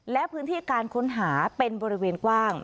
และพื้นที่การค้นหาเป็นบริเวณกว้าง